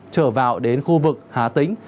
trở vào đến khu vực hà tĩnh